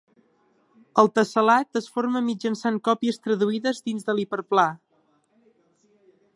El tessel·lat es forma mitjançant còpies traduïdes dins de l'hiperplà.